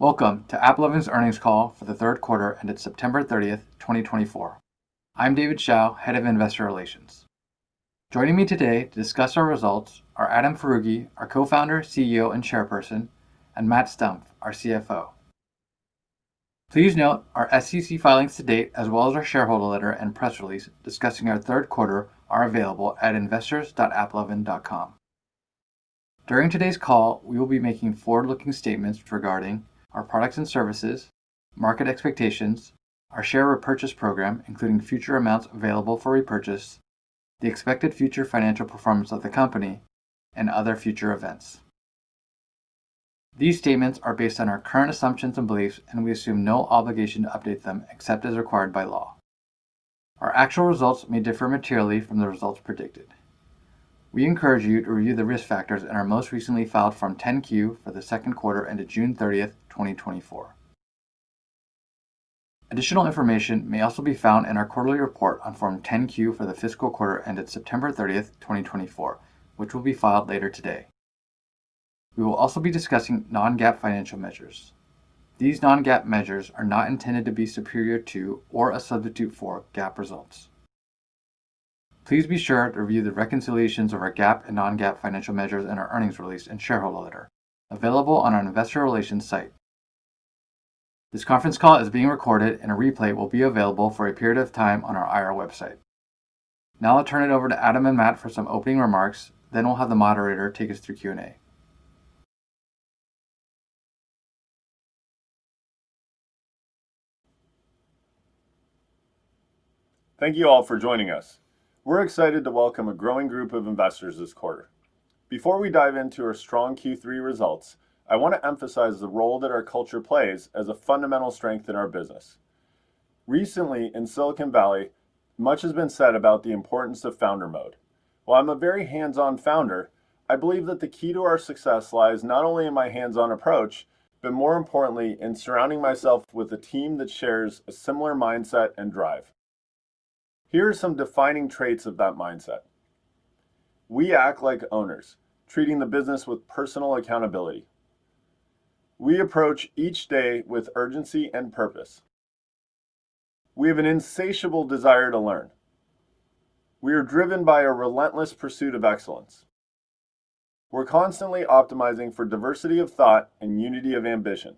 Welcome to AppLovin's earnings call for the third quarter, and it's September 30th, 2024. I'm David Hsiao, Head of Investor Relations. Joining me today to discuss our results are Adam Foroughi, our Co-Founder, CEO, and Chairperson, and Matt Stumpf, our CFO. Please note our SEC filings to date, as well as our shareholder letter and press release discussing our third quarter, are available at investors.applovin.com. During today's call, we will be making forward-looking statements regarding our products and services, market expectations, our share repurchase program, including future amounts available for repurchase, the expected future financial performance of the company, and other future events. These statements are based on our current assumptions and beliefs, and we assume no obligation to update them except as required by law. Our actual results may differ materially from the results predicted. We encourage you to review the risk factors in our most recently filed Form 10-Q for the second quarter ended June 30th, 2024. Additional information may also be found in our quarterly report on Form 10-Q for the fiscal quarter ended September 30th, 2024, which will be filed later today. We will also be discussing non-GAAP financial measures. These non-GAAP measures are not intended to be superior to or a substitute for GAAP results. Please be sure to review the reconciliations of our GAAP and non-GAAP financial measures in our earnings release and shareholder letter available on our Investor Relations site. This conference call is being recorded, and a replay will be available for a period of time on our IR website. Now I'll turn it over to Adam and Matt for some opening remarks, then we'll have the moderator take us through Q&A. Thank you all for joining us. We're excited to welcome a growing group of investors this quarter. Before we dive into our strong Q3 results, I want to emphasize the role that our culture plays as a fundamental strength in our business. Recently, in Silicon Valley, much has been said about the importance of Founder Mode. While I'm a very hands-on founder, I believe that the key to our success lies not only in my hands-on approach, but more importantly, in surrounding myself with a team that shares a similar mindset and drive. Here are some defining traits of that mindset. We act like owners, treating the business with personal accountability. We approach each day with urgency and purpose. We have an insatiable desire to learn. We are driven by a relentless pursuit of excellence. We're constantly optimizing for diversity of thought and unity of ambition.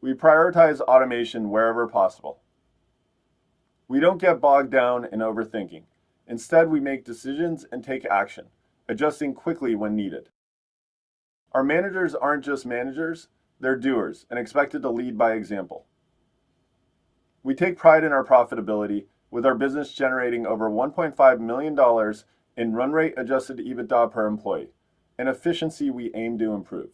We prioritize automation wherever possible. We don't get bogged down in overthinking. Instead, we make decisions and take action, adjusting quickly when needed. Our managers aren't just managers. They're doers and expected to lead by example. We take pride in our profitability, with our business generating over $1.5 million in run rate Adjusted EBITDA per employee, an efficiency we aim to improve.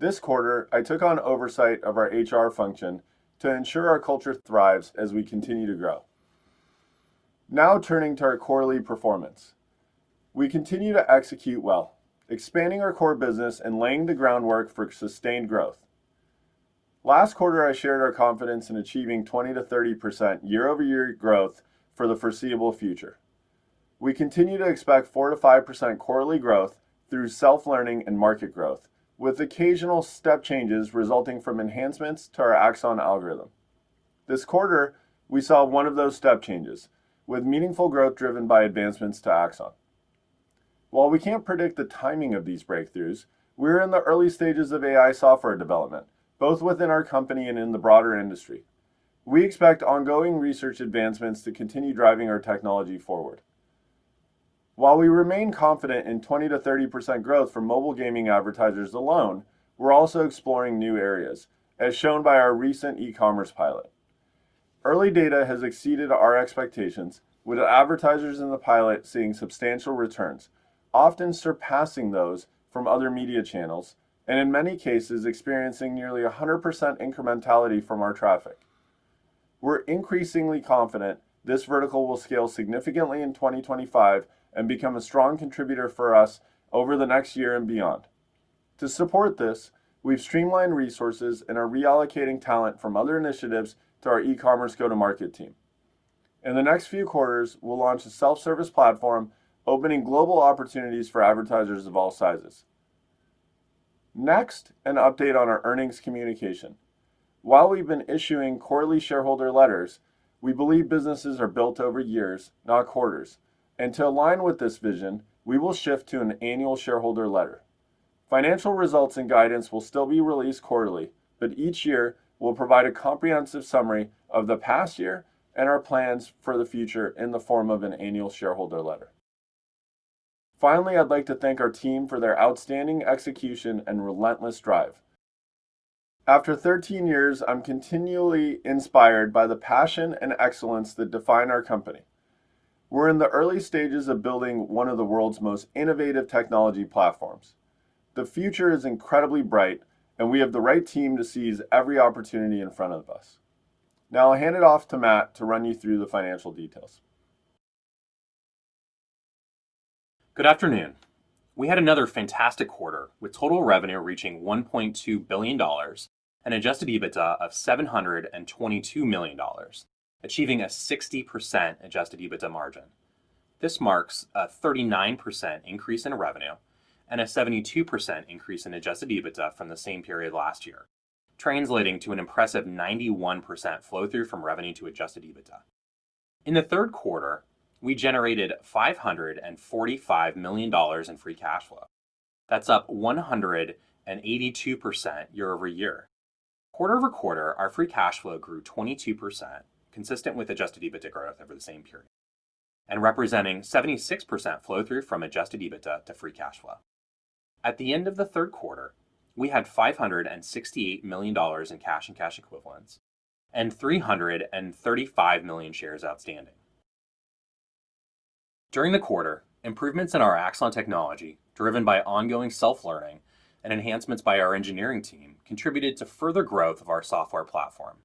This quarter, I took on oversight of our HR function to ensure our culture thrives as we continue to grow. Now turning to our quarterly performance, we continue to execute well, expanding our core business and laying the groundwork for sustained growth. Last quarter, I shared our confidence in achieving 20%-30% year-over-year growth for the foreseeable future. We continue to expect 4%-5% quarterly growth through self-learning and market growth, with occasional step changes resulting from enhancements to our Axon algorithm. This quarter, we saw one of those step changes, with meaningful growth driven by advancements to Axon. While we can't predict the timing of these breakthroughs, we're in the early stages of AI software development, both within our company and in the broader industry. We expect ongoing research advancements to continue driving our technology forward. While we remain confident in 20%-30% growth for mobile gaming advertisers alone, we're also exploring new areas, as shown by our recent e-commerce pilot. Early data has exceeded our expectations, with advertisers in the pilot seeing substantial returns, often surpassing those from other media channels, and in many cases, experiencing nearly 100% incrementality from our traffic. We're increasingly confident this vertical will scale significantly in 2025 and become a strong contributor for us over the next year and beyond. To support this, we've streamlined resources and are reallocating talent from other initiatives to our e-commerce go-to-market team. In the next few quarters, we'll launch a self-service platform, opening global opportunities for advertisers of all sizes. Next, an update on our earnings communication. While we've been issuing quarterly shareholder letters, we believe businesses are built over years, not quarters, and to align with this vision, we will shift to an annual shareholder letter. Financial results and guidance will still be released quarterly, but each year will provide a comprehensive summary of the past year and our plans for the future in the form of an annual shareholder letter. Finally, I'd like to thank our team for their outstanding execution and relentless drive. After 13 years, I'm continually inspired by the passion and excellence that define our company. We're in the early stages of building one of the world's most innovative technology platforms. The future is incredibly bright, and we have the right team to seize every opportunity in front of us. Now I'll hand it off to Matt to run you through the financial details. Good afternoon. We had another fantastic quarter with total revenue reaching $1.2 billion and Adjusted EBITDA of $722 million, achieving a 60% Adjusted EBITDA margin. This marks a 39% increase in revenue and a 72% increase in Adjusted EBITDA from the same period last year, translating to an impressive 91% flow-through from revenue to Adjusted EBITDA. In the third quarter, we generated $545 million in Free Cash Flow. That's up 182% year-over-year. Quarter-over-quarter, our Free Cash Flow grew 22%, consistent with Adjusted EBITDA growth over the same period, and representing 76% flow-through from Adjusted EBITDA to Free Cash Flow. At the end of the third quarter, we had $568 million in cash and cash equivalents and 335 million shares outstanding. During the quarter, improvements in our Axon technology, driven by ongoing self-learning and enhancements by our engineering team, contributed to further growth of our software platform.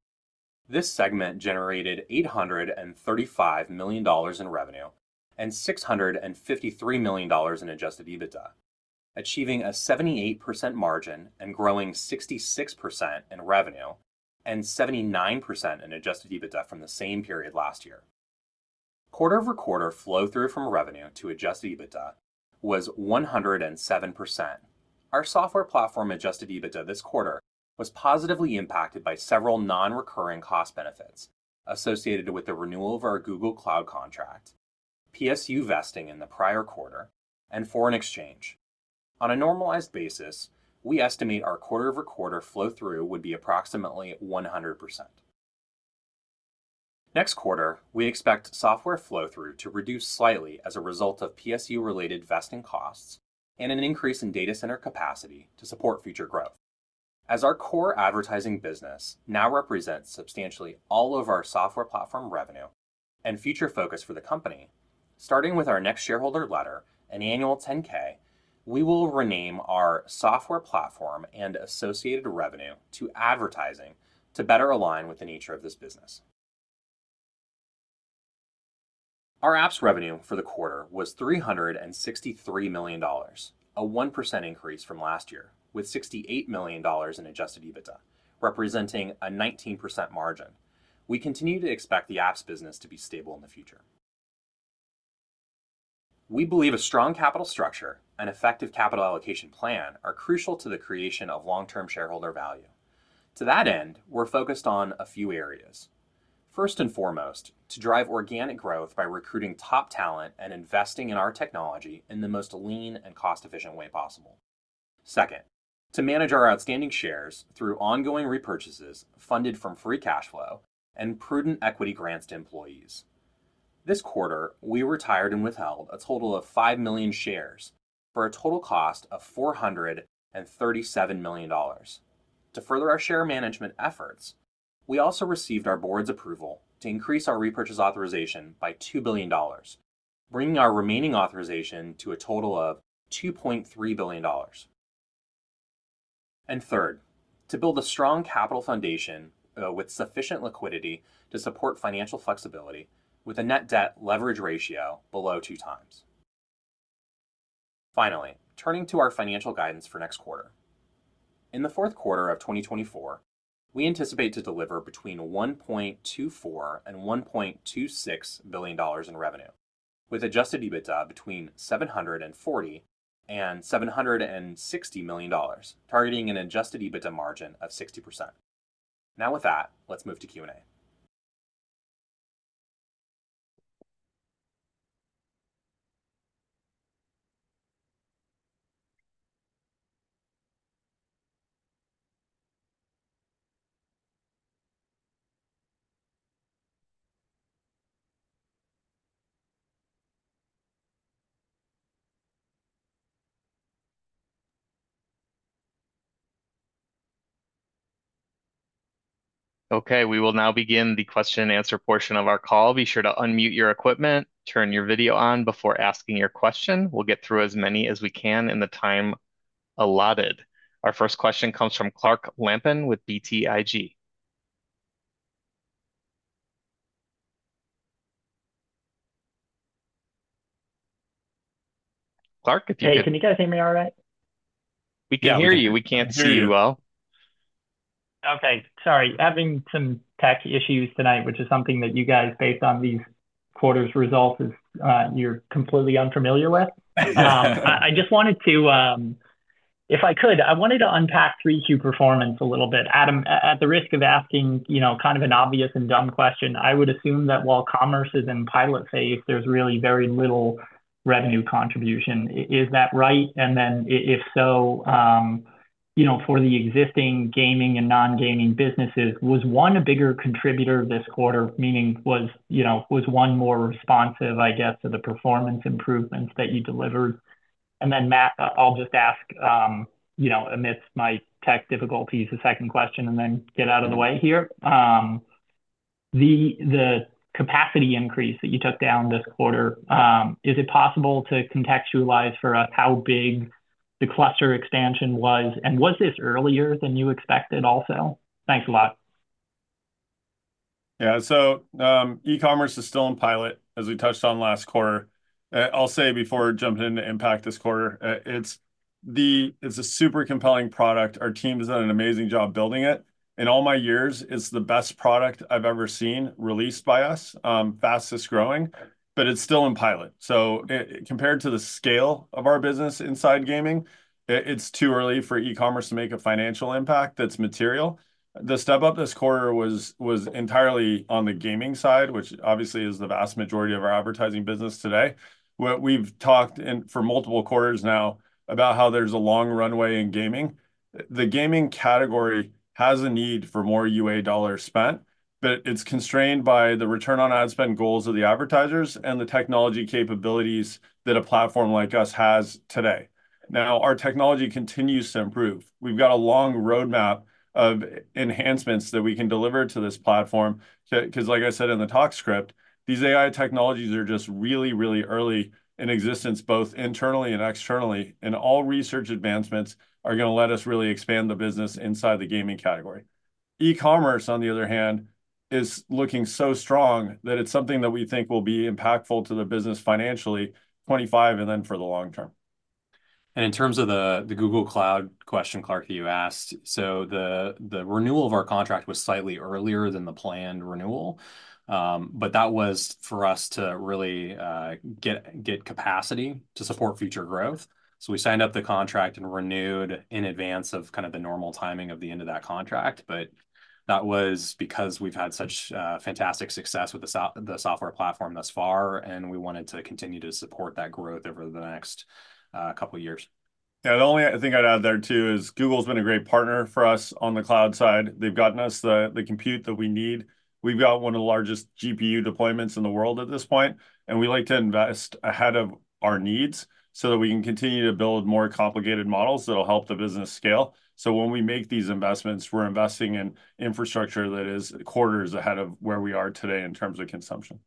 This segment generated $835 million in revenue and $653 million in Adjusted EBITDA, achieving a 78% margin and growing 66% in revenue and 79% in Adjusted EBITDA from the same period last year. Quarter-over-quarter flow-through from revenue to Adjusted EBITDA was 107%. Our software platform Adjusted EBITDA this quarter was positively impacted by several non-recurring cost benefits associated with the renewal of our Google Cloud contract, PSU vesting in the prior quarter, and foreign exchange. On a normalized basis, we estimate our quarter-over-quarter flow-through would be approximately 100%. Next quarter, we expect software flow-through to reduce slightly as a result of PSU-related vesting costs and an increase in data center capacity to support future growth. As our core advertising business now represents substantially all of our software platform revenue and future focus for the company, starting with our next shareholder letter and annual 10-K, we will rename our software platform and associated revenue to advertising to better align with the nature of this business. Our Apps revenue for the quarter was $363 million, a 1% increase from last year, with $68 million in Adjusted EBITDA, representing a 19% margin. We continue to expect the Apps business to be stable in the future. We believe a strong capital structure and effective capital allocation plan are crucial to the creation of long-term shareholder value. To that end, we're focused on a few areas. First and foremost, to drive organic growth by recruiting top talent and investing in our technology in the most lean and cost-efficient way possible. Second, to manage our outstanding shares through ongoing repurchases funded from Free Cash Flow and prudent equity grants to employees. This quarter, we retired and withheld a total of 5 million shares for a total cost of $437 million. To further our share management efforts, we also received our board's approval to increase our repurchase authorization by $2 billion, bringing our remaining authorization to a total of $2.3 billion. And third, to build a strong capital foundation with sufficient liquidity to support financial flexibility with a Net Debt Leverage Ratio below two times. Finally, turning to our financial guidance for next quarter. In the fourth quarter of 2024, we anticipate to deliver between $1.24 and $1.26 billion in revenue, with Adjusted EBITDA between $740 and $760 million, targeting an Adjusted EBITDA margin of 60%. Now with that, let's move to Q&A. Okay, we will now begin the question and answer portion of our call. Be sure to unmute your equipment, turn your video on before asking your question. We'll get through as many as we can in the time allotted. Our first question comes from Clark Lampen with BTIG. Clark, if you can. Hey, can you guys hear me all right? We can hear you. We can't see you well. Okay, sorry. Having some tech issues tonight, which is something that you guys, based on these quarter's results, you're completely unfamiliar with. I just wanted to, if I could, I wanted to unpack 3Q performance a little bit. Adam, at the risk of asking kind of an obvious and dumb question, I would assume that while commerce is in pilot phase, there's really very little revenue contribution. Is that right? And then if so, for the existing gaming and non-gaming businesses, was one a bigger contributor this quarter? Meaning, was one more responsive, I guess, to the performance improvements that you delivered? And then Matt, I'll just ask, amidst my tech difficulties, a second question and then get out of the way here. The capacity increase that you took down this quarter, is it possible to contextualize for us how big the cluster expansion was? Was this earlier than you expected also? Thanks a lot. Yeah, so e-commerce is still in pilot, as we touched on last quarter. I'll say before jumping into impact this quarter, it's a super compelling product. Our team has done an amazing job building it. In all my years, it's the best product I've ever seen released by us, fastest growing, but it's still in pilot. So compared to the scale of our business inside gaming, it's too early for e-commerce to make a financial impact that's material. The step up this quarter was entirely on the gaming side, which obviously is the vast majority of our advertising business today. We've talked for multiple quarters now about how there's a long runway in gaming. The gaming category has a need for more UA dollars spent, but it's constrained by the return on ad spend goals of the advertisers and the technology capabilities that a platform like us has today. Now, our technology continues to improve. We've got a long roadmap of enhancements that we can deliver to this platform because, like I said in the talk script, these AI technologies are just really, really early in existence, both internally and externally, and all research advancements are going to let us really expand the business inside the gaming category. E-commerce, on the other hand, is looking so strong that it's something that we think will be impactful to the business financially 2025 and then for the long term. In terms of the Google Cloud question, Clark, that you asked, so the renewal of our contract was slightly earlier than the planned renewal, but that was for us to really get capacity to support future growth. So we signed up the contract and renewed in advance of kind of the normal timing of the end of that contract. But that was because we've had such fantastic success with the software platform thus far, and we wanted to continue to support that growth over the next couple of years. Yeah, the only thing I'd add there too is Google's been a great partner for us on the cloud side. They've gotten us the compute that we need. We've got one of the largest GPU deployments in the world at this point, and we like to invest ahead of our needs so that we can continue to build more complicated models that'll help the business scale. So when we make these investments, we're investing in infrastructure that is quarters ahead of where we are today in terms of consumption.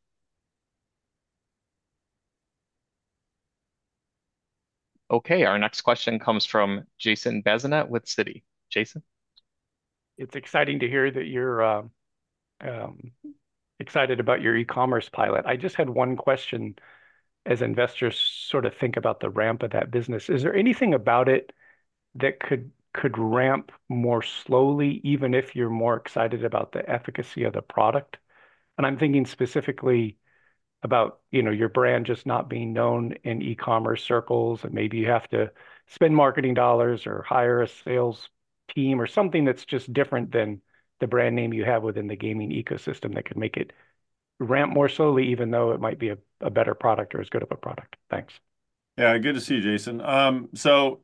Okay, our next question comes from Jason Bazinet with Citi. Jason. It's exciting to hear that you're excited about your e-commerce pilot. I just had one question as investors sort of think about the ramp of that business. Is there anything about it that could ramp more slowly, even if you're more excited about the efficacy of the product? And I'm thinking specifically about your brand just not being known in e-commerce circles, and maybe you have to spend marketing dollars or hire a sales team or something that's just different than the brand name you have within the gaming ecosystem that can make it ramp more slowly, even though it might be a better product or as good of a product. Thanks. Yeah, good to see you, Jason. So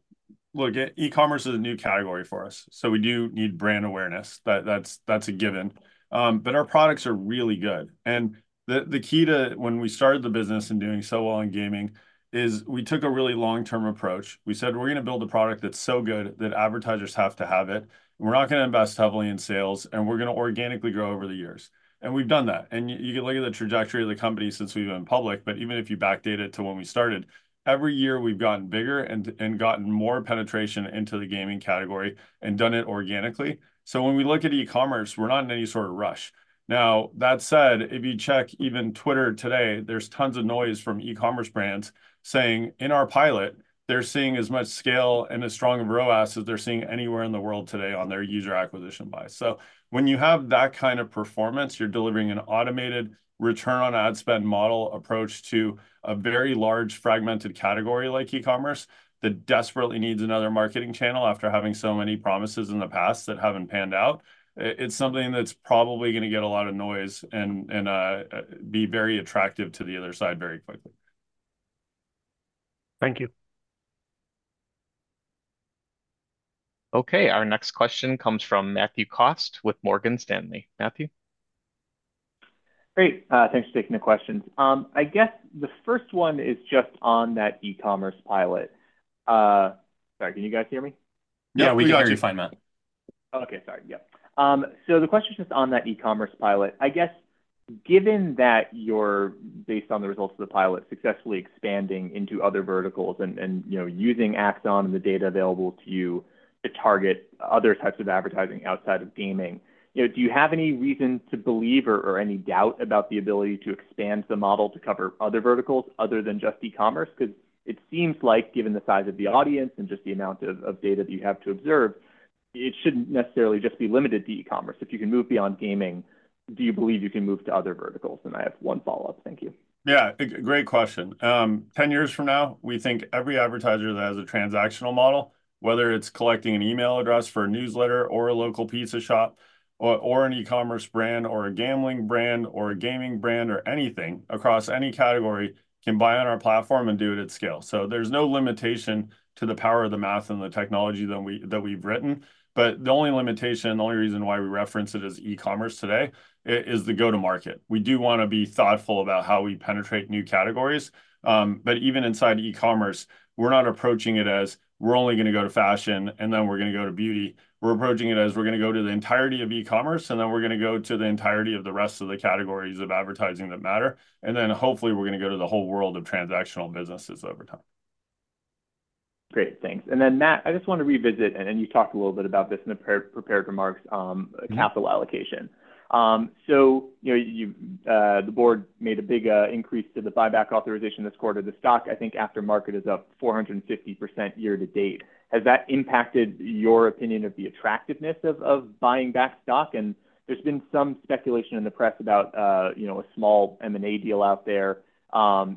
look, e-commerce is a new category for us. So we do need brand awareness. That's a given. But our products are really good. And the key to when we started the business and doing so well in gaming is we took a really long-term approach. We said, "We're going to build a product that's so good that advertisers have to have it. We're not going to invest heavily in sales, and we're going to organically grow over the years." And we've done that. And you can look at the trajectory of the company since we've been public, but even if you backdate it to when we started, every year we've gotten bigger and gotten more penetration into the gaming category and done it organically. So when we look at e-commerce, we're not in any sort of rush. Now, that said, if you check even Twitter today, there's tons of noise from e-commerce brands saying in our pilot, they're seeing as much scale and as strong of ROAS as they're seeing anywhere in the world today on their user acquisition buy. So when you have that kind of performance, you're delivering an automated return on ad spend model approach to a very large fragmented category like e-commerce that desperately needs another marketing channel after having so many promises in the past that haven't panned out. It's something that's probably going to get a lot of noise and be very attractive to the other side very quickly. Thank you. Okay, our next question comes from Matthew Cost with Morgan Stanley. Matthew. Great. Thanks for taking the questions. I guess the first one is just on that e-commerce pilot. Sorry, can you guys hear me? Yeah, we do. I do find that. Okay, sorry. Yeah. So the question is just on that e-commerce pilot. I guess given that you're, based on the results of the pilot, successfully expanding into other verticals and using Axon and the data available to you to target other types of advertising outside of gaming, do you have any reason to believe or any doubt about the ability to expand the model to cover other verticals other than just e-commerce? Because it seems like, given the size of the audience and just the amount of data that you have to observe, it shouldn't necessarily just be limited to e-commerce. If you can move beyond gaming, do you believe you can move to other verticals? And I have one follow-up. Thank you. Yeah, great question. 10 years from now, we think every advertiser that has a transactional model, whether it's collecting an email address for a newsletter or a local pizza shop or an e-commerce brand or a gambling brand or a gaming brand or anything across any category, can buy on our platform and do it at scale. So there's no limitation to the power of the math and the technology that we've written. But the only limitation, the only reason why we reference it as e-commerce today is the go-to-market. We do want to be thoughtful about how we penetrate new categories. But even inside e-commerce, we're not approaching it as we're only going to go to fashion and then we're going to go to beauty. We're approaching it as we're going to go to the entirety of e-commerce and then we're going to go to the entirety of the rest of the categories of advertising that matter, and then hopefully we're going to go to the whole world of transactional businesses over time. Great, thanks. And then Matt, I just want to revisit, and you talked a little bit about this in the prepared remarks, capital allocation. So the board made a big increase to the buyback authorization this quarter. The stock, I think after market, is up 450% year to date. Has that impacted your opinion of the attractiveness of buying back stock? And there's been some speculation in the press about a small M&A deal out there.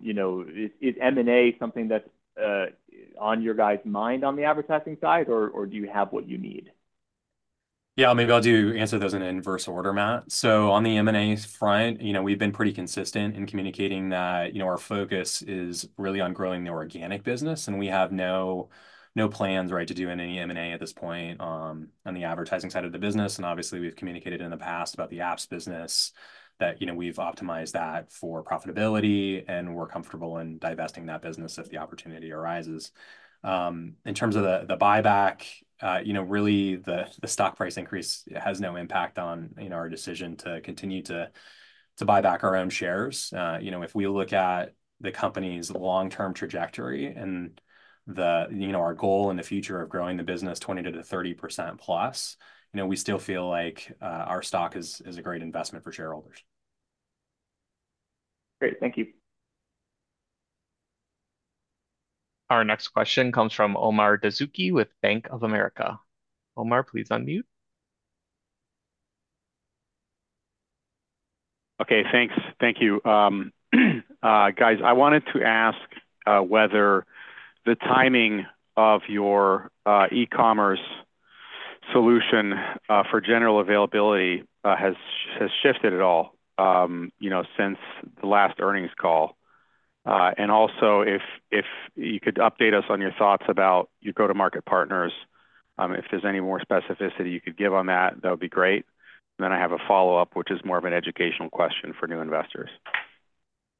Is M&A something that's on your guys' mind on the advertising side, or do you have what you need? Yeah, maybe I'll do answer those in inverse order, Matt. So on the M&A front, we've been pretty consistent in communicating that our focus is really on growing the organic business, and we have no plans to do any M&A at this point on the advertising side of the business. And obviously, we've communicated in the past about the apps business that we've optimized that for profitability, and we're comfortable in divesting that business if the opportunity arises. In terms of the buyback, really the stock price increase has no impact on our decision to continue to buy back our own shares. If we look at the company's long-term trajectory and our goal in the future of growing the business 20%-30% plus, we still feel like our stock is a great investment for shareholders. Great, thank you. Our next question comes from Omar Dessouky with Bank of America. Omar, please unmute. Okay, thanks. Thank you. Guys, I wanted to ask whether the timing of your e-commerce solution for general availability has shifted at all since the last earnings call. And also, if you could update us on your thoughts about your go-to-market partners, if there's any more specificity you could give on that, that would be great. And then I have a follow-up, which is more of an educational question for new investors.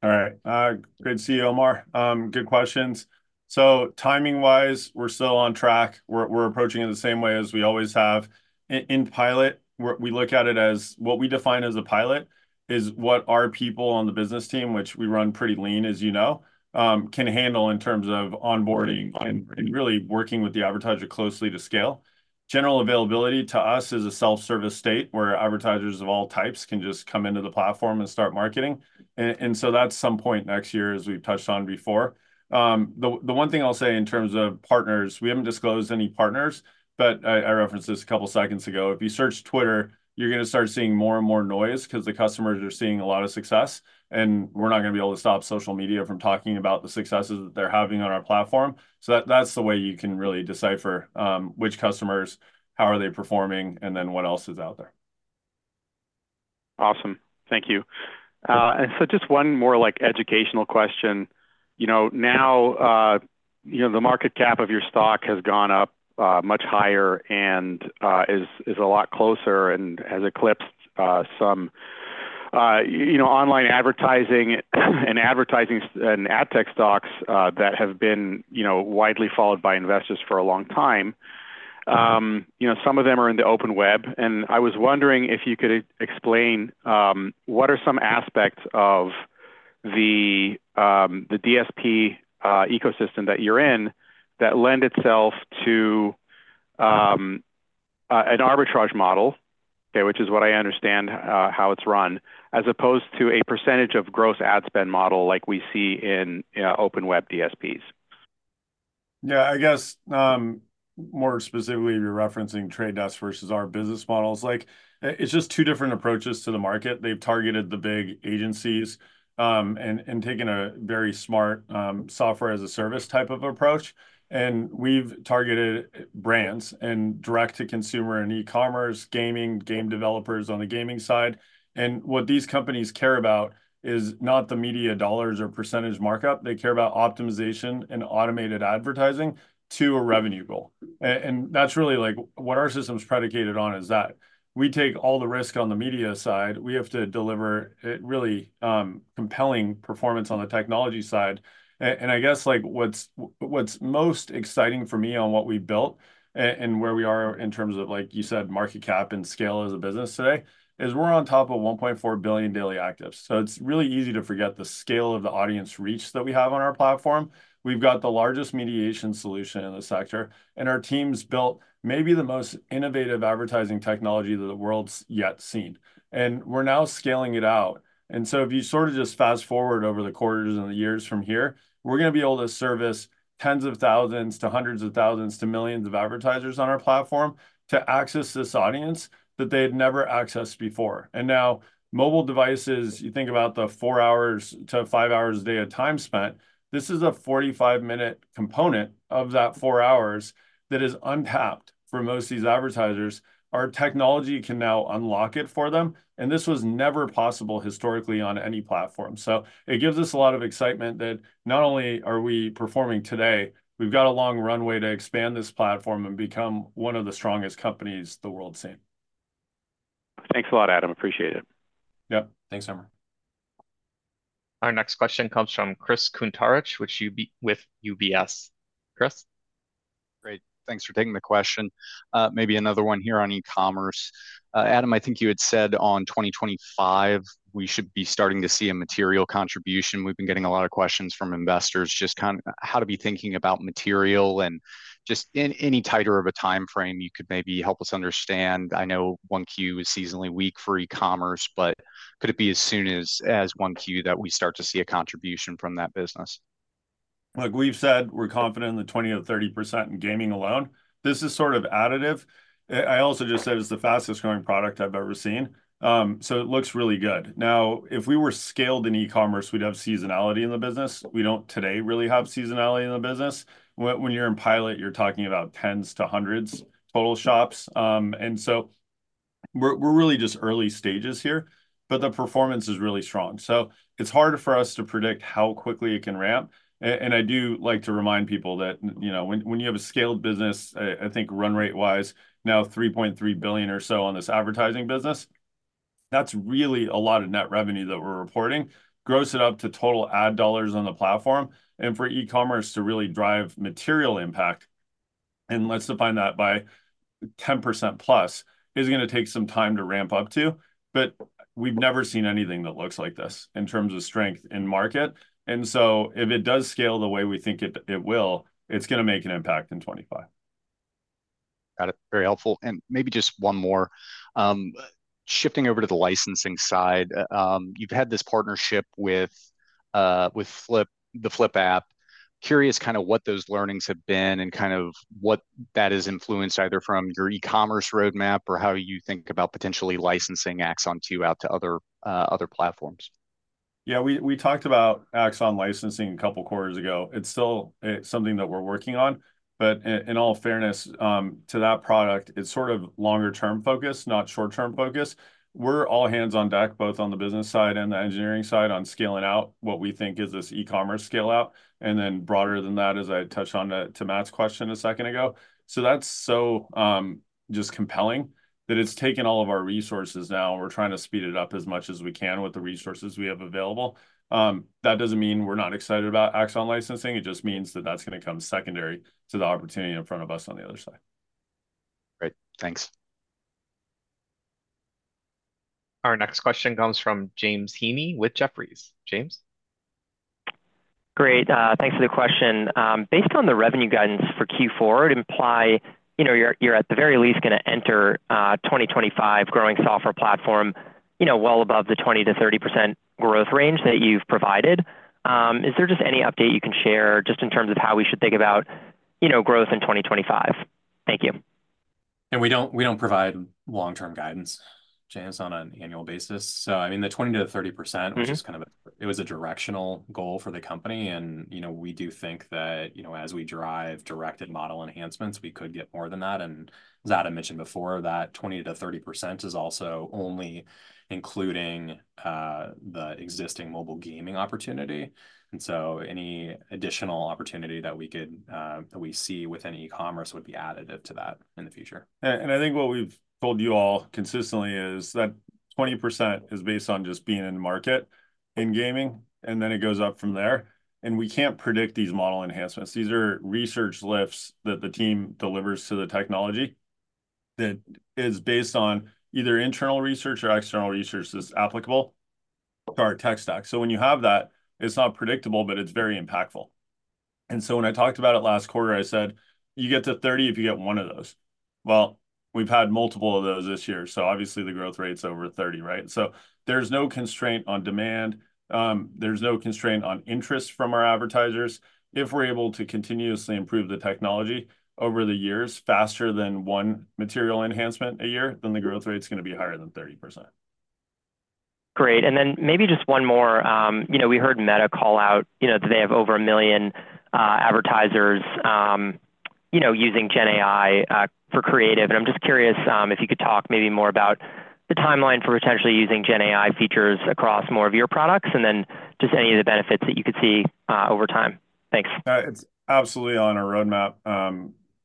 All right. Good to see you, Omar. Good questions. So timing-wise, we're still on track. We're approaching it the same way as we always have. In pilot, we look at it as what we define as a pilot is what our people on the business team, which we run pretty lean, as you know, can handle in terms of onboarding and really working with the advertiser closely to scale. General availability to us is a self-service state where advertisers of all types can just come into the platform and start marketing. And so that's some point next year, as we've touched on before. The one thing I'll say in terms of partners, we haven't disclosed any partners, but I referenced this a couple of seconds ago. If you search Twitter, you're going to start seeing more and more noise because the customers are seeing a lot of success, and we're not going to be able to stop social media from talking about the successes that they're having on our platform. So that's the way you can really decipher which customers, how are they performing, and then what else is out there. Awesome. Thank you. And so just one more educational question. Now, the market cap of your stock has gone up much higher and is a lot closer and has eclipsed some online advertising and ad tech stocks that have been widely followed by investors for a long time. Some of them are in the open web. And I was wondering if you could explain what are some aspects of the DSP ecosystem that you're in that lend itself to an arbitrage model, which is what I understand how it's run, as opposed to a percentage of gross ad spend model like we see in open web DSPs? Yeah, I guess more specifically, you're referencing Trade Desk versus our business models. It's just two different approaches to the market. They've targeted the big agencies and taken a very smart software-as-a-service type of approach. And we've targeted brands and direct-to-consumer and e-commerce, gaming, game developers on the gaming side. And what these companies care about is not the media dollars or percentage markup. They care about optimization and automated advertising to a revenue goal. And that's really what our system's predicated on is that. We take all the risk on the media side. We have to deliver really compelling performance on the technology side. And I guess what's most exciting for me on what we built and where we are in terms of, like you said, market cap and scale as a business today is we're on top of 1.4 billion daily actives. So it's really easy to forget the scale of the audience reach that we have on our platform. We've got the largest mediation solution in the sector, and our team's built maybe the most innovative advertising technology that the world's yet seen. And we're now scaling it out. And so if you sort of just fast forward over the quarters and the years from here, we're going to be able to service tens of thousands to hundreds of thousands to millions of advertisers on our platform to access this audience that they had never accessed before. And now mobile devices, you think about the four hours to five hours a day of time spent. This is a 45-minute component of that four hours that is untapped for most of these advertisers. Our technology can now unlock it for them. And this was never possible historically on any platform. So it gives us a lot of excitement that not only are we performing today, we've got a long runway to expand this platform and become one of the strongest companies the world's seen. Thanks a lot, Adam. Appreciate it. Yep. Thanks, Omar. Our next question comes from Chris Kuntarich, with UBS. Chris? Great. Thanks for taking the question. Maybe another one here on e-commerce. Adam, I think you had said on 2025, we should be starting to see a material contribution. We've been getting a lot of questions from investors just kind of how to be thinking about material and just in any tighter of a timeframe, you could maybe help us understand. I know 1Q is seasonally weak for e-commerce, but could it be as soon as 1Q that we start to see a contribution from that business? Like we've said, we're confident in the 20%-30% in gaming alone. This is sort of additive. I also just said it's the fastest-growing product I've ever seen, so it looks really good. Now, if we were scaled in e-commerce, we'd have seasonality in the business. We don't today really have seasonality in the business. When you're in pilot, you're talking about tens to hundreds total shops, and so we're really just early stages here, but the performance is really strong, so it's hard for us to predict how quickly it can ramp, and I do like to remind people that when you have a scaled business, I think run rate-wise, now $3.3 billion or so on this advertising business, that's really a lot of net revenue that we're reporting. Gross it up to total ad dollars on the platform. And for e-commerce to really drive material impact, and let's define that by 10% plus, is going to take some time to ramp up to. But we've never seen anything that looks like this in terms of strength in market. And so if it does scale the way we think it will, it's going to make an impact in 2025. Got it. Very helpful, and maybe just one more. Shifting over to the licensing side, you've had this partnership with the Flip app. Curious kind of what those learnings have been and kind of what that has influenced either from your e-commerce roadmap or how you think about potentially licensing Axon out to other platforms? Yeah, we talked about Axon licensing a couple of quarters ago. It's still something that we're working on. But in all fairness, to that product, it's sort of longer-term focus, not short-term focus. We're all hands on deck, both on the business side and the engineering side on scaling out what we think is this e-commerce scale-out. And then broader than that, as I touched on to Matt's question a second ago. So that's so just compelling that it's taken all of our resources now. We're trying to speed it up as much as we can with the resources we have available. That doesn't mean we're not excited about Axon licensing. It just means that that's going to come secondary to the opportunity in front of us on the other side. Great. Thanks. Our next question comes from James Heaney with Jefferies. James? Great. Thanks for the question. Based on the revenue guidance for Q4, it implies you're at the very least going to enter 2025 growing software platform well above the 20%-30% growth range that you've provided. Is there just any update you can share just in terms of how we should think about growth in 2025? Thank you. And we don't provide long-term guidance, James, on an annual basis. So I mean, the 20%-30%, it was a directional goal for the company. And we do think that as we drive directed model enhancements, we could get more than that. And as Adam mentioned before, that 20%-30% is also only including the existing mobile gaming opportunity. And so any additional opportunity that we see within e-commerce would be additive to that in the future. I think what we've told you all consistently is that 20% is based on just being in market in gaming, and then it goes up from there. We can't predict these model enhancements. These are research lifts that the team delivers to the technology that is based on either internal research or external research that's applicable to our tech stack. When you have that, it's not predictable, but it's very impactful. When I talked about it last quarter, I said, "You get to 30% if you get one of those." We've had multiple of those this year. Obviously, the growth rate's over 30%, right? There's no constraint on demand. There's no constraint on interest from our advertisers. If we're able to continuously improve the technology over the years faster than one material enhancement a year, then the growth rate's going to be higher than 30%. Great. And then maybe just one more. We heard Meta call out that they have over a million advertisers using Gen AI for creative. And I'm just curious if you could talk maybe more about the timeline for potentially using Gen AI features across more of your products and then just any of the benefits that you could see over time. Thanks. It's absolutely on our roadmap.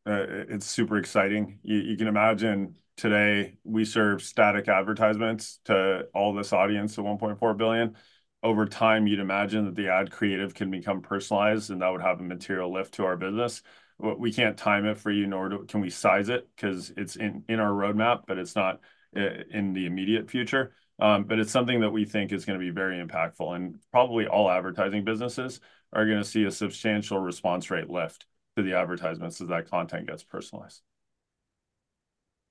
It's super exciting. You can imagine today we serve static advertisements to all this audience of 1.4 billion. Over time, you'd imagine that the ad creative can become personalized, and that would have a material lift to our business. We can't time it for you, nor can we size it because it's in our roadmap, but it's not in the immediate future. But it's something that we think is going to be very impactful. And probably all advertising businesses are going to see a substantial response rate lift to the advertisements as that content gets personalized.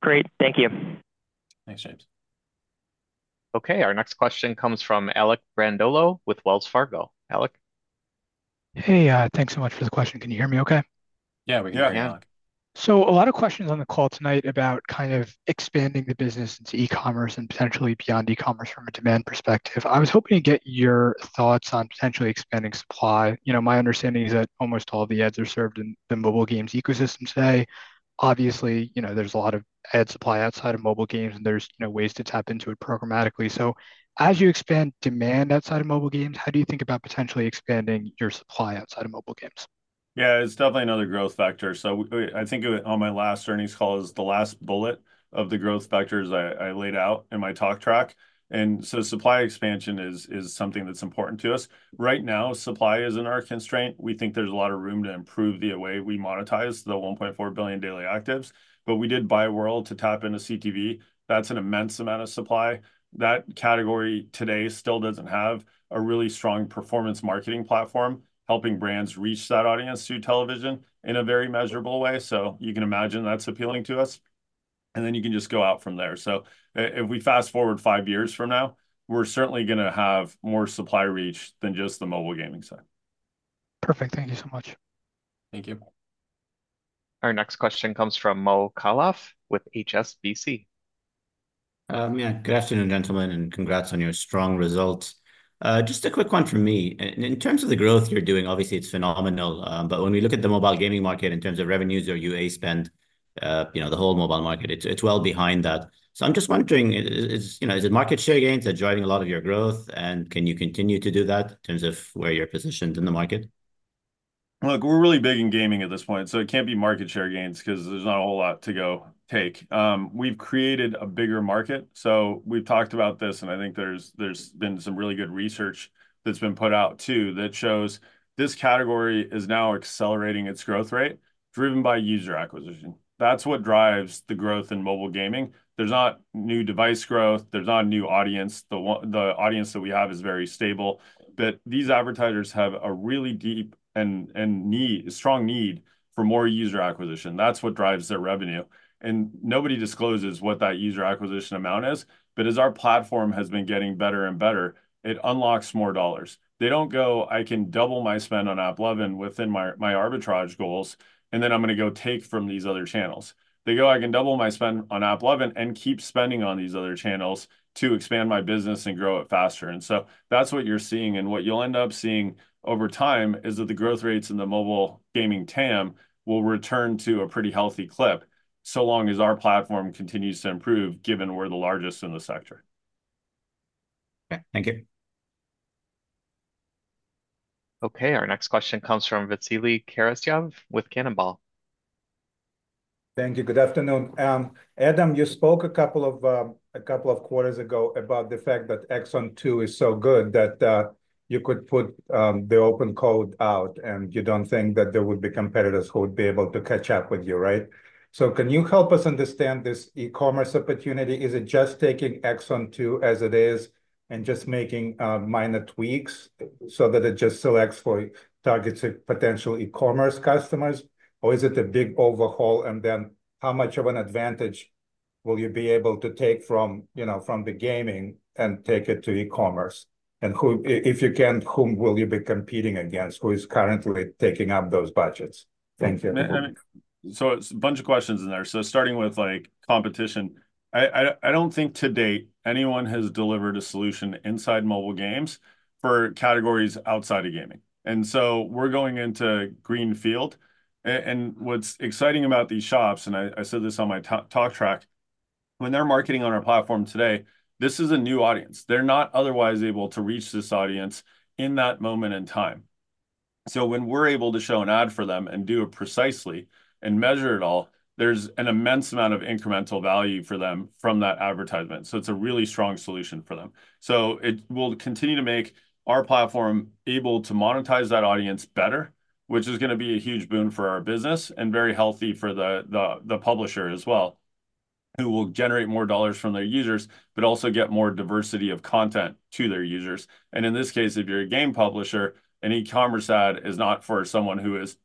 Great. Thank you. Thanks, James. Okay. Our next question comes from Alec Brondolo with Wells Fargo. Alec? Hey, thanks so much for the question. Can you hear me okay? Yeah, we can hear you, Alec. So a lot of questions on the call tonight about kind of expanding the business into e-commerce and potentially beyond e-commerce from a demand perspective. I was hoping to get your thoughts on potentially expanding supply. My understanding is that almost all of the ads are served in the mobile games ecosystem today. Obviously, there's a lot of ad supply outside of mobile games, and there's ways to tap into it programmatically. So as you expand demand outside of mobile games, how do you think about potentially expanding your supply outside of mobile games? Yeah, it's definitely another growth factor. So I think on my last earnings call, it was the last bullet of the growth factors I laid out in my talk track. And so supply expansion is something that's important to us. Right now, supply isn't our constraint. We think there's a lot of room to improve the way we monetize the 1.4 billion daily actives. But we did buy Wurl to tap into CTV. That's an immense amount of supply. That category today still doesn't have a really strong performance marketing platform helping brands reach that audience through television in a very measurable way. So you can imagine that's appealing to us. And then you can just go out from there. So if we fast forward five years from now, we're certainly going to have more supply reach than just the mobile gaming side. Perfect. Thank you so much. Thank you. Our next question comes from Mo Khallouf with HSBC. Yeah. Good afternoon, gentlemen, and congrats on your strong results. Just a quick one from me. In terms of the growth you're doing, obviously, it's phenomenal. But when we look at the mobile gaming market in terms of revenues or UA spend, the whole mobile market, it's well behind that. So I'm just wondering, is it market share gains that are driving a lot of your growth, and can you continue to do that in terms of where you're positioned in the market? Look, we're really big in gaming at this point, so it can't be market share gains because there's not a whole lot to go take. We've created a bigger market, so we've talked about this, and I think there's been some really good research that's been put out too that shows this category is now accelerating its growth rate driven by user acquisition. That's what drives the growth in mobile gaming. There's not new device growth. There's not a new audience. The audience that we have is very stable, but these advertisers have a really deep and strong need for more user acquisition. That's what drives their revenue, and nobody discloses what that user acquisition amount is, but as our platform has been getting better and better, it unlocks more dollars. They don't go, "I can double my spend on AppLovin within my arbitrage goals, and then I'm going to go take from these other channels." They go, "I can double my spend on AppLovin and keep spending on these other channels to expand my business and grow it faster." And so that's what you're seeing. And what you'll end up seeing over time is that the growth rates in the mobile gaming TAM will return to a pretty healthy clip so long as our platform continues to improve, given we're the largest in the sector. Okay. Thank you. Okay. Our next question comes from Vasily Karasyov with Cannonball. Thank you. Good afternoon. Adam, you spoke a couple of quarters ago about the fact that Axon 2 is so good that you could put the open code out, and you don't think that there would be competitors who would be able to catch up with you, right? So can you help us understand this e-commerce opportunity? Is it just taking Axon 2 as it is and just making minor tweaks so that it just selects for targets of potential e-commerce customers? Or is it a big overhaul? And then how much of an advantage will you be able to take from the gaming and take it to e-commerce? And if you can, whom will you be competing against? Who is currently taking up those budgets? Thank you. It's a bunch of questions in there. Starting with competition, I don't think to date anyone has delivered a solution inside mobile games for categories outside of gaming. We're going into greenfield. What's exciting about these shops, and I said this on my talk track, when they're marketing on our platform today, this is a new audience. They're not otherwise able to reach this audience in that moment in time. When we're able to show an ad for them and do it precisely and measure it all, there's an immense amount of incremental value for them from that advertisement. It's a really strong solution for them. So it will continue to make our platform able to monetize that audience better, which is going to be a huge boon for our business and very healthy for the publisher as well, who will generate more dollars from their users, but also get more diversity of content to their users. And in this case, if you're a game publisher, an e-commerce ad is not for someone who is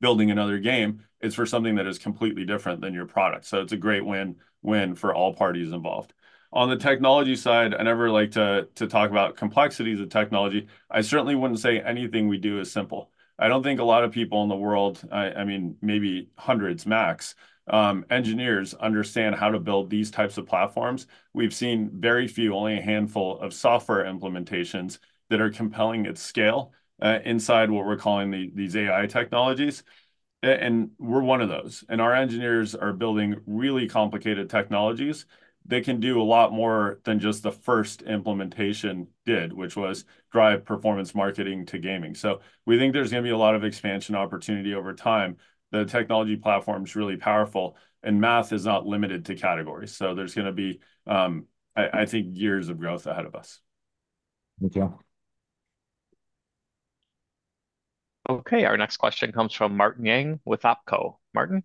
building another game. It's for something that is completely different than your product. So it's a great win-win for all parties involved. On the technology side, I never like to talk about complexities of technology. I certainly wouldn't say anything we do is simple. I don't think a lot of people in the world, I mean, maybe hundreds max, engineers understand how to build these types of platforms. We've seen very few, only a handful of software implementations that are compelling at scale inside what we're calling these AI technologies. And we're one of those. And our engineers are building really complicated technologies that can do a lot more than just the first implementation did, which was drive performance marketing to gaming. So we think there's going to be a lot of expansion opportunity over time. The technology platform is really powerful, and math is not limited to categories. So there's going to be, I think, years of growth ahead of us. Thank you. Okay. Our next question comes from Martin Yang with OpCo. Martin.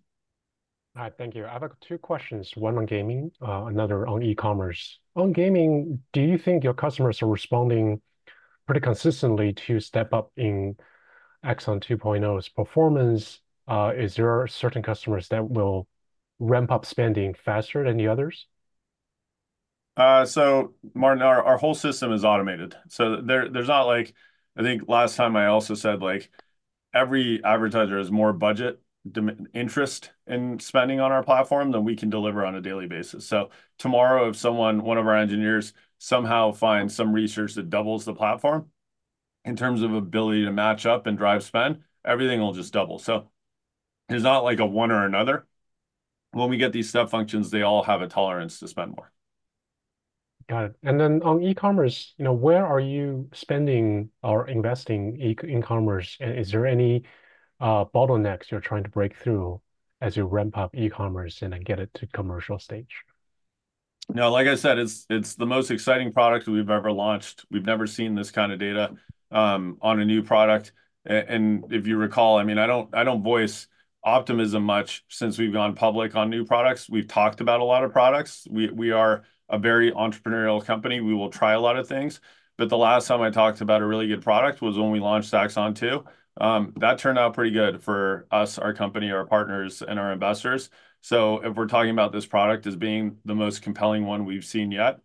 Hi. Thank you. I have two questions. One on gaming, another on e-commerce. On gaming, do you think your customers are responding pretty consistently to step up in Axon 2.0's performance? Is there certain customers that will ramp up spending faster than the others? So Martin, our whole system is automated. So there's not like, I think last time I also said every advertiser has more budget interest in spending on our platform than we can deliver on a daily basis. So tomorrow, if someone, one of our engineers, somehow finds some research that doubles the platform in terms of ability to match up and drive spend, everything will just double. So there's not like a one or another. When we get these step functions, they all have a tolerance to spend more. Got it. And then on e-commerce, where are you spending or investing in e-commerce? And is there any bottlenecks you're trying to break through as you ramp up e-commerce and then get it to commercial stage? No, like I said, it's the most exciting product we've ever launched. We've never seen this kind of data on a new product. And if you recall, I mean, I don't voice optimism much since we've gone public on new products. We've talked about a lot of products. We are a very entrepreneurial company. We will try a lot of things. But the last time I talked about a really good product was when we launched Axon 2. That turned out pretty good for us, our company, our partners, and our investors. So if we're talking about this product as being the most compelling one we've seen yet,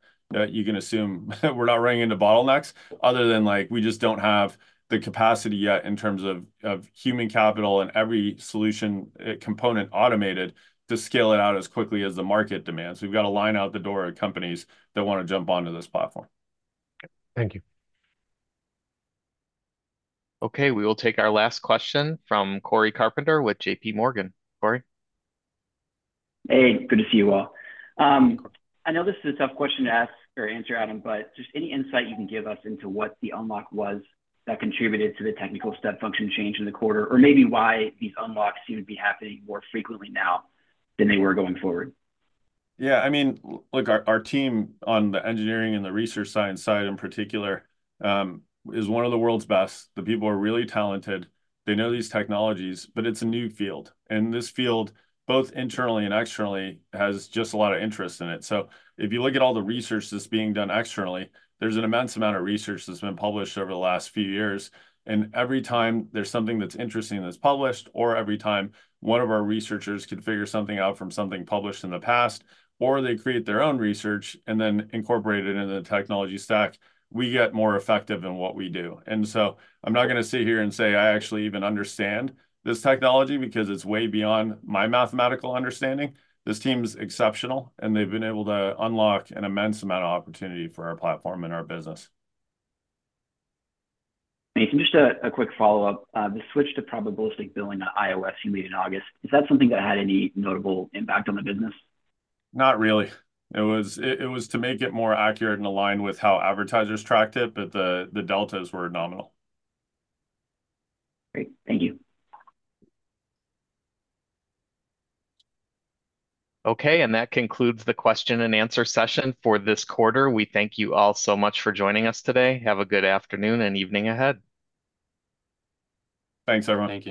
you can assume we're not running into bottlenecks other than we just don't have the capacity yet in terms of human capital and every solution component automated to scale it out as quickly as the market demands. We've got a line out the door of companies that want to jump onto this platform. Thank you. Okay. We will take our last question from Cory Carpenter with JPMorgan. Cory? Hey. Good to see you all. I know this is a tough question to ask or answer, Adam, but just any insight you can give us into what the unlock was that contributed to the technical step function change in the quarter or maybe why these unlocks seem to be happening more frequently now than they were going forward? Yeah. I mean, look, our team on the engineering and the research science side in particular is one of the world's best. The people are really talented. They know these technologies, but it's a new field. And this field, both internally and externally, has just a lot of interest in it. So if you look at all the research that's being done externally, there's an immense amount of research that's been published over the last few years. And every time there's something that's interesting that's published, or every time one of our researchers can figure something out from something published in the past, or they create their own research and then incorporate it into the technology stack, we get more effective in what we do. And so I'm not going to sit here and say I actually even understand this technology because it's way beyond my mathematical understanding. This team's exceptional, and they've been able to unlock an immense amount of opportunity for our platform and our business. Hey, just a quick follow-up. The switch to probabilistic billing on iOS you made in August, is that something that had any notable impact on the business? Not really. It was to make it more accurate and aligned with how advertisers tracked it, but the deltas were nominal. Great. Thank you. Okay. And that concludes the question and answer session for this quarter. We thank you all so much for joining us today. Have a good afternoon and evening ahead. Thanks, everyone.